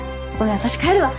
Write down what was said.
私帰るわ。